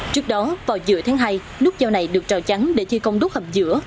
trước đó vào giữa tháng hai nút giao này được rào chắn để thi công đốt hầm giữa